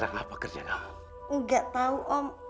gak tau om